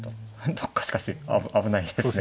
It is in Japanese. どっかしかし危ないですね